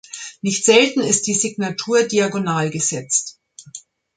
Nicht selten ist die Signatur diagonal gesetzt.